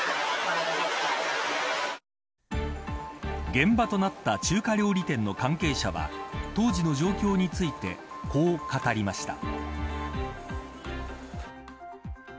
現場となった中華料理店の関係者は当時の状況についてこう語りました。